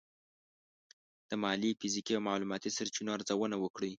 د مالي، فزیکي او معلوماتي سرچینو ارزونه وکړئ.